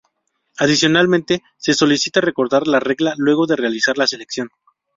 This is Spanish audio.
Adicionalmente, se solicita recordar la regla luego de realizar la selección.